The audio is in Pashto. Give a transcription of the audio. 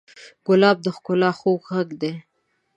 ګلاب د ښکلا خوږ غږ دی.